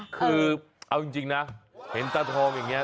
คือเอาจริงนะเห็นตาทองอย่างนี้